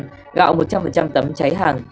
gạo một trăm linh tấm cháy hàng